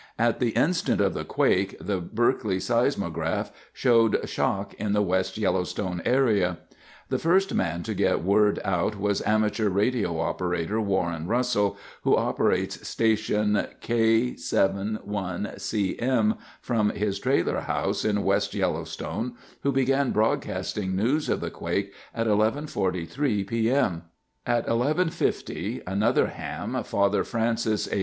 At the instant of the quake, the Berkeley seismograph showed shock in the West Yellowstone area. The first man to get word out was amateur radio operator Warren Russell, who operates station K7ICM from his trailer house in West Yellowstone, who began broadcasting news of the quake at 11:43 P. M. At 11:50, another ham, Fr. Francis A.